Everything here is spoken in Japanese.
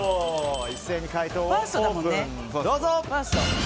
一斉に解答をオープン、どうぞ！